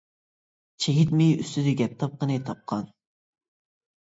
چىگىت مېيى ئۈستىدە گەپ تاپقىنى تاپقان.